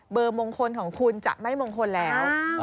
มงคลของคุณจะไม่มงคลแล้ว